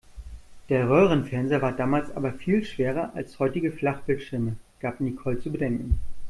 Der Röhrenfernseher war damals aber viel schwerer als heutige Flachbildschirme, gab Nicole zu bedenken.